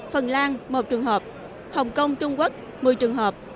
phần lan một trường hợp hồng kông trung quốc một mươi trường hợp